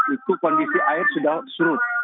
itu kondisi air sudah surut